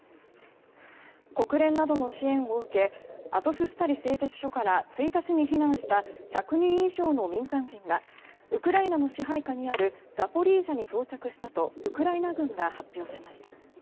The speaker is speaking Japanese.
国連などの支援を受けアゾフスタリ製鉄所から１日に避難した１００人以上の民間人がウクライナの支配下にあるザポリージャに到着したとウクライナ軍が発表しました。